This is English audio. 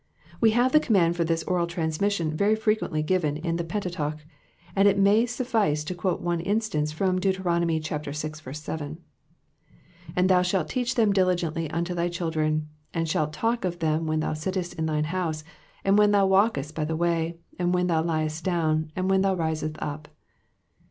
We have the command for this oral transmission very frequently given in the Pentateuch, and it may suffice to quote one instance from Deut. vi. 7 :And thou shalt teach them diligently unto thy children, and shalt talk of them when thou sittest in thine house, and when thou walkest by the way, and when thou liest down, and when thou risest up."